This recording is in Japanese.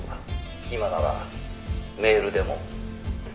「今ならメールでも」